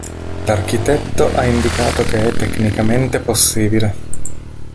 L'architetto ha indicato che è tecnicamente possibile.